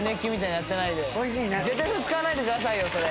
絶対使わないでくださいよそれ。